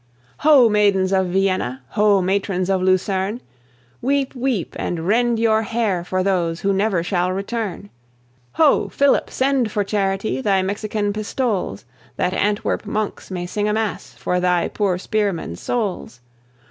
Ho! maidens of Vienna; Ho! matrons of Lucerne; Weep, weep, and rend your hair for those who never shall return. Ho! Philip, send, for charity, thy Mexican pistoles, That Antwerp monks may sing a mass for thy poor spearman's souls.